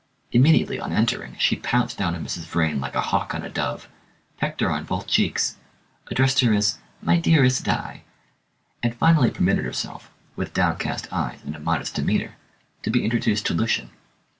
Immediately on entering she pounced down on Miss Vrain like a hawk on a dove, pecked her on both cheeks, addressed her as "my dearest Di," and finally permitted herself, with downcast eyes and a modest demeanour, to be introduced to Lucian.